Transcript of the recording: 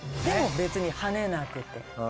でも別にハネなくて。